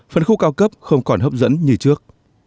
phân khúc cao cấp không còn hấp dẫn như trước